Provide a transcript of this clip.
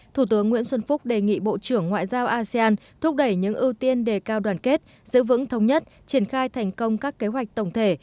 thủ tướng nguyễn xuân phúc đề nghị bộ trưởng ngoại giao asean thúc đẩy những ưu tiên đề cao đoàn kết giữ vững thống nhất triển khai thành công các kế hoạch tổng thể